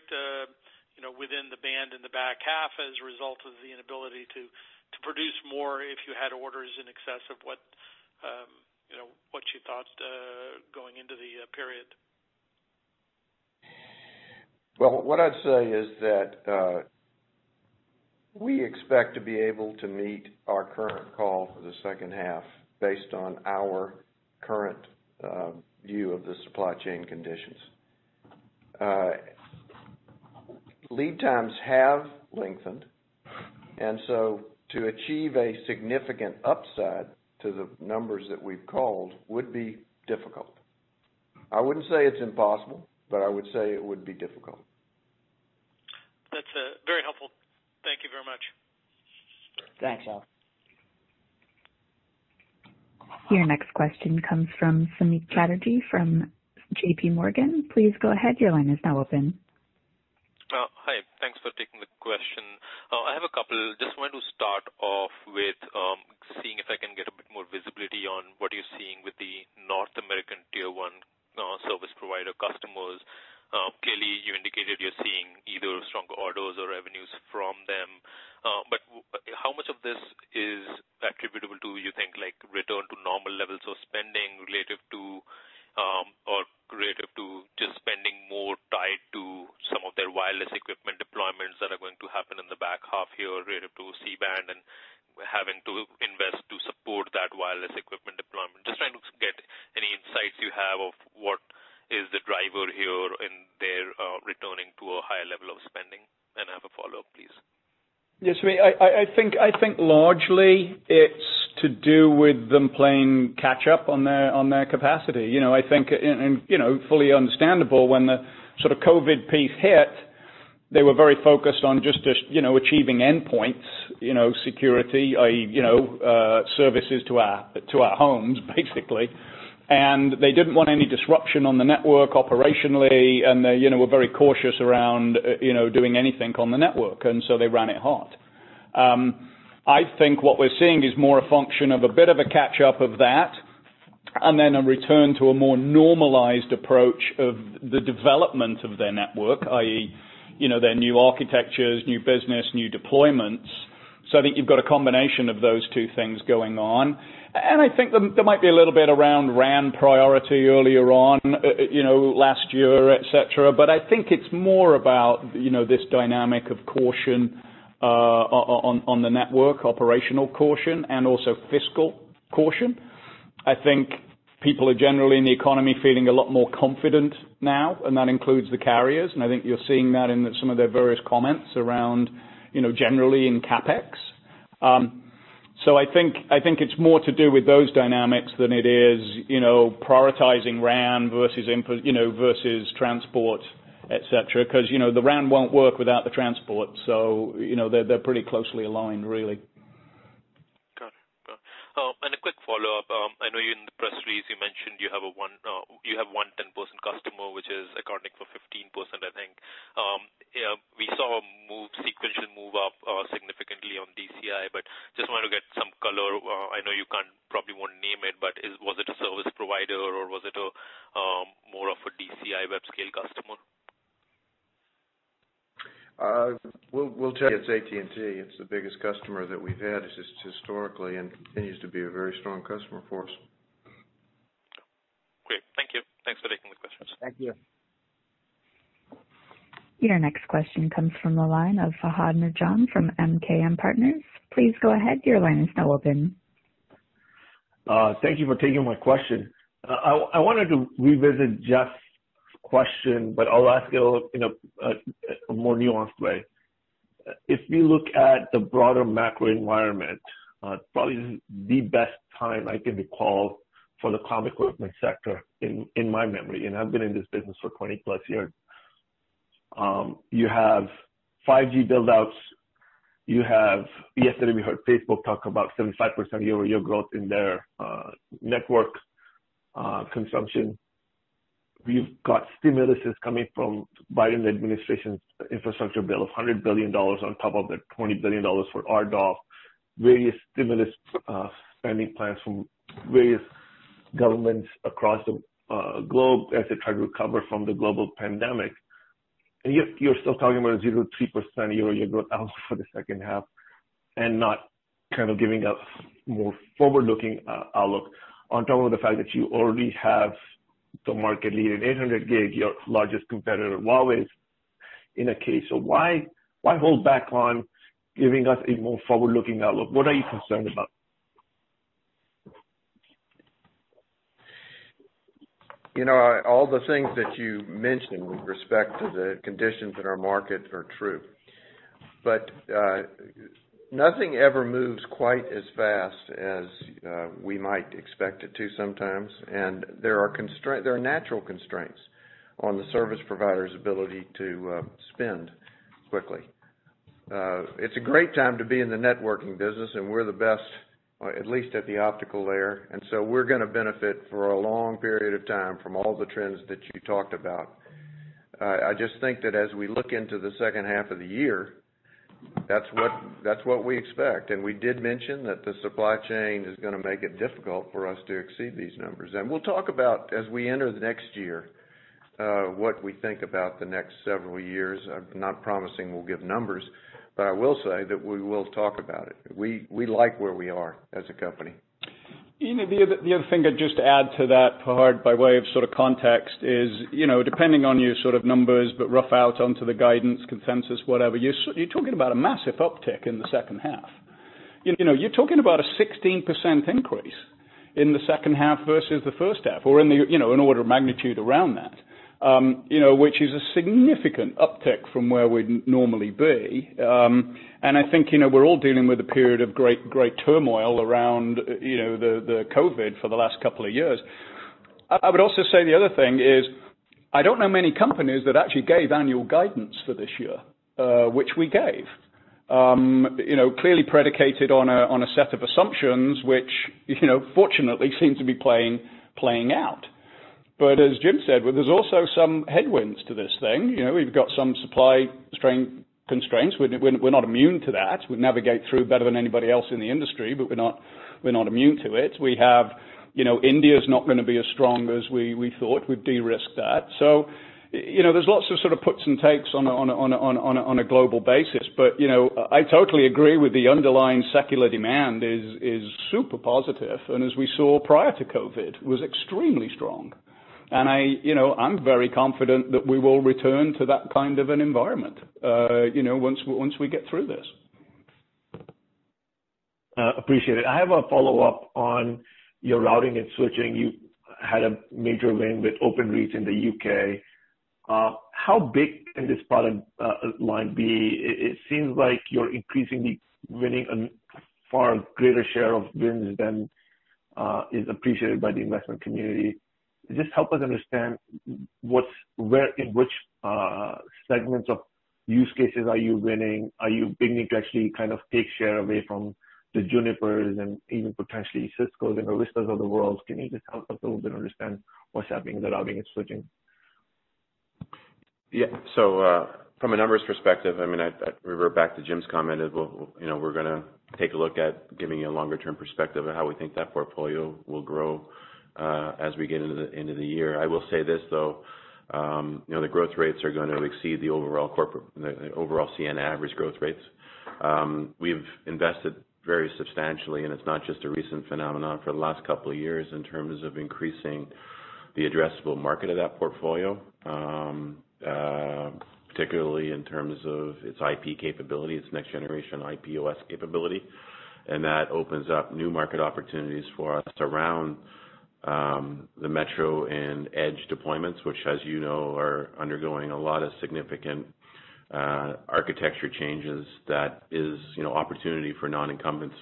within the band in the back half as a result of the inability to produce more if you had orders in excess of what you thought going into the period? Well, what I'd say is that we expect to be able to meet our current call for the second half based on our current view of the supply chain conditions. Lead times have lengthened, and so to achieve a significant upside to the numbers that we've called would be difficult. I wouldn't say it's impossible, but I would say it would be difficult. That's very helpful. Thank you very much. Thanks, Al. Your next question comes from Samik Chatterjee from JPMorgan. Please go ahead. Your line is now open. Hi. Thanks for taking the question. I have a couple. Just wanted to start off with seeing if I can get a bit more visibility on what you're seeing with the North American Tier 1 service provider customers. Clearly, you indicated you're seeing either strong orders or revenues from them. How much of this is attributable to, you think, return to normal levels of spending relative to just spending more tied to some of their wireless equipment deployments that are going to happen in the back half year relative to C-band and having to invest to support that wireless equipment deployment? Just trying to get any insights you have of what is the driver here in their returning to a higher level of spending. I have a follow-up, please. Yes. I think largely it's to do with them playing catch up on their capacity. I think, fully understandable when the COVID-19 piece hit, they were very focused on just achieving endpoint security, i.e., services to our homes, basically. They didn't want any disruption on the network operationally, and they were very cautious around doing anything on the network, and so they ran it hot. I think what we're seeing is more a function of a bit of a catch up of that and then a return to a more normalized approach of the development of their network, i.e., their new architectures, new business, new deployments, so that you've got a combination of those two things going on. I think there might be a little bit around RAN priority earlier on, last year, et cetera. I think it's more about this dynamic of caution on the network, operational caution, and also fiscal caution. I think people are generally in the economy feeling a lot more confident now, and that includes the carriers. I think you're seeing that in some of their various comments around generally in CapEx. I think it's more to do with those dynamics than it is prioritizing RAN versus transport, et cetera, because the RAN won't work without the transport. They're pretty closely aligned, really. Got it. A quick follow-up. I know in the press release you mentioned you have one 10% customer, which is accounting for 15%, I think. We saw a sequential move up significantly on DCI, but just want to get some color. I know you probably won't name it, but was it a service provider, or was it more of a DCI web scale customer? We'll tell you it's AT&T. It's the biggest customer that we've had historically and continues to be a very strong customer for us. Great. Thank you. Thanks for taking the questions. Thank you. Your next question comes from the line of Fahad Najam from MKM Partners. Please go ahead. Thank you for taking my question. I wanted to revisit Jeff's question, but I'll ask it in a more nuanced way. If you look at the broader macro environment, probably the best time I can recall for the comm equipment sector in my memory, and I've been in this business for 20+ years. You have 5G build-outs. Yesterday, we heard Facebook talk about 75% year-over-year growth in their network consumption. We've got stimuluses coming from Biden Administration's infrastructure bill, $100 billion on top of the $20 billion for RDOF, various stimulus spending plans from various governments across the globe as they try to recover from the global pandemic. Yet you're still talking about a 0%-3% yearly growth outlook for the second half and not giving a more forward-looking outlook, on top of the fact that you already have the market leader 800 Gb, your largest competitor, Huawei, in a case. Why hold back on giving us a more forward-looking outlook? What are you concerned about? All the things that you mentioned with respect to the conditions in our market are true. Nothing ever moves quite as fast as we might expect it to sometimes, and there are natural constraints on the service provider's ability to spend quickly. It's a great time to be in the networking business, and we're the best, at least at the optical layer. We're going to benefit for a long period of time from all the trends that you talked about. I just think that as we look into the second half of the year, that's what we expect. We did mention that the supply chain is going to make it difficult for us to exceed these numbers. We'll talk about, as we enter the next year, what we think about the next several years. I'm not promising we'll give numbers, but I will say that we will talk about it. We like where we are as a company. The other thing I'd just add to that, Fahad, by way of context is, depending on your numbers, but rough out onto the guidance, consensus, whatever. You're talking about a massive uptick in the second half. You're talking about a 16% increase in the second half versus the first half or in an order of magnitude around that, which is a significant uptick from where we'd normally be. I think, we're all dealing with a period of great turmoil around the COVID for the last couple of years. I would also say the other thing is, I don't know many companies that actually gave annual guidance for this year, which we gave. Clearly predicated on a set of assumptions, which, fortunately, seem to be playing out. As Jim said, there's also some headwinds to this thing. We've got some supply constraints. We're not immune to that. We navigate through better than anybody else in the industry, but we're not immune to it. India's not going to be as strong as we thought. We've de-risked that. There's lots of puts and takes on a global basis. I totally agree with the underlying secular demand is super positive. As we saw prior to COVID-19, was extremely strong. I'm very confident that we will return to that kind of an environment, once we get through this. Appreciate it. I have a follow-up on your Routing and Switching. You had a major win with Openreach in the U.K. How big can this product line be? It seems like you're increasingly winning a far greater share of wins than is appreciated by the investment community. Just help us understand in which segments of use cases are you winning? Are you beginning to actually take share away from the Juniper and even potentially Ciscos and Aristas of the world? Can you just help us a little bit understand what's happening with Routing and Switching? Yeah. From a numbers perspective, I revert back to Jim's comment as well. We're going to take a look at giving you a longer-term perspective of how we think that portfolio will grow as we get into the end of the year. I will say this, though. The growth rates are going to exceed the overall Ciena average growth rates. We've invested very substantially, and it's not just a recent phenomenon for the last couple of years in terms of increasing the addressable market of that portfolio, particularly in terms of its IP capability, its next generation IP/OS capability. That opens up new market opportunities for us around the metro and edge deployments, which as you know, are undergoing a lot of significant architecture changes that is opportunity for non-incumbents.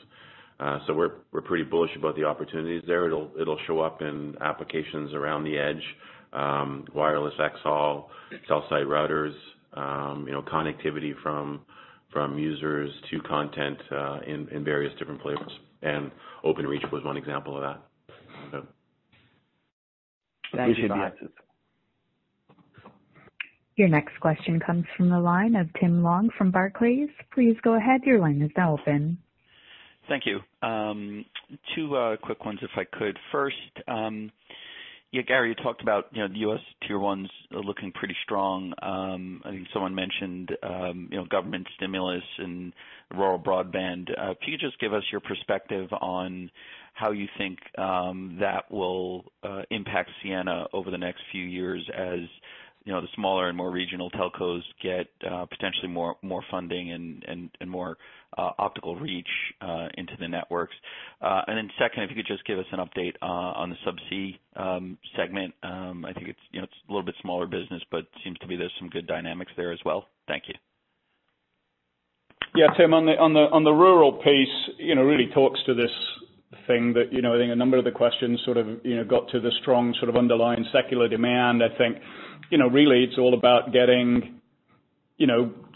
We're pretty bullish about the opportunities there. It'll show up in applications around the edge, wireless xHaul, cell site routers, connectivity from users to content, in various different flavors. Openreach was one example of that. Thank you, guys. Appreciate the access. Your next question comes from the line of Tim Long from Barclays. Please go ahead. Your line is now open. Thank you. Two quick ones if I could. First, Gary, you talked about the U.S. Tier 1s looking pretty strong. I think someone mentioned government stimulus and rural broadband. Can you just give us your perspective on how you think that will impact Ciena over the next few years as the smaller and more regional telcos get potentially more funding and more optical reach into the networks? Second, if you could just give us an update on the subsea segment. I think it's a little bit smaller business, but seems to be there's some good dynamics there as well. Thank you. Yeah, Tim, on the rural piece, really talks to this thing that I think a number of the questions got to the strong underlying secular demand. I think, really, it's all about getting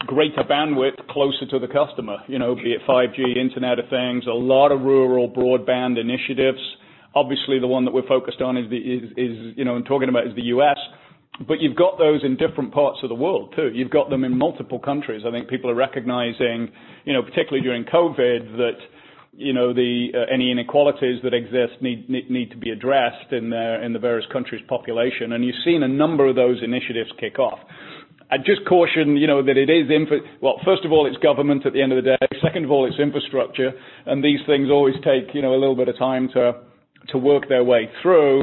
greater bandwidth closer to the customer. Be it 5G, Internet of Things, a lot of rural broadband initiatives. Obviously, the one that we're focused on and talking about is the U.S. You've got those in different parts of the world, too. You've got them in multiple countries. I think people are recognizing, particularly during COVID-19, that any inequalities that exist need to be addressed in the various countries' population. You've seen a number of those initiatives kick off. I'd just caution, that it is well, first of all, it's government at the end of the day. Second of all, it's infrastructure. These things always take a little bit of time to work their way through.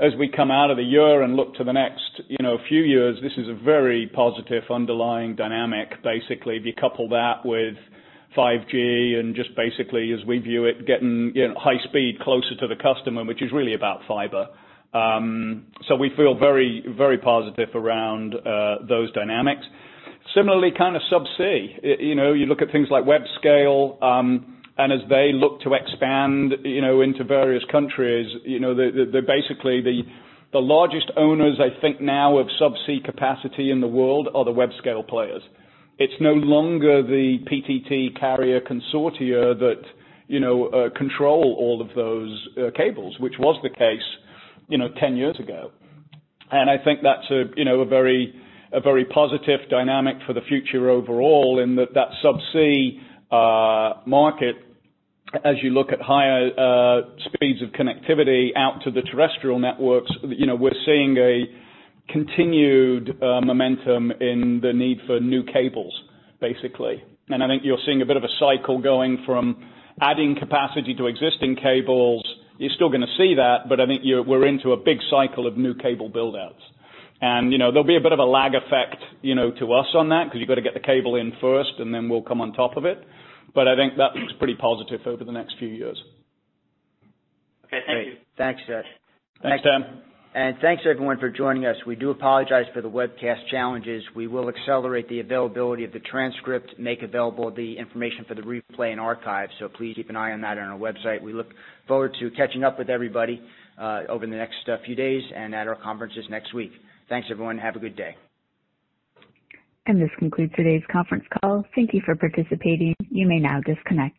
As we come out of the year and look to the next few years, this is a very positive underlying dynamic. Basically, if you couple that with 5G and just basically, as we view it, getting high speed closer to the customer, which is really about fiber. We feel very positive around those dynamics. Similarly, subsea. You look at things like web scale, and as they look to expand into various countries, they're basically the largest owners, I think now, of subsea capacity in the world are the web scale players. It's no longer the PTT carrier consortia that control all of those cables, which was the case 10 years ago. I think that's a very positive dynamic for the future overall in that subsea market, as you look at higher speeds of connectivity out to the terrestrial networks, we're seeing a continued momentum in the need for new cables, basically. I think you're seeing a bit of a cycle going from adding capacity to existing cables. You're still going to see that, but I think we're into a big cycle of new cable build-outs. There'll be a bit of a lag effect to us on that because you've got to get the cable in first, and then we'll come on top of it. I think that looks pretty positive over the next few years. Okay. Thank you. Great. Thanks, guys. Thanks, Tim. Thanks, everyone, for joining us. We do apologize for the webcast challenges. We will accelerate the availability of the transcript, make available the information for the replay and archive. Please keep an eye on that on our website. We look forward to catching up with everybody over the next few days and at our conferences next week. Thanks, everyone. Have a good day. This concludes today's conference call. Thank you for participating. You may now disconnect.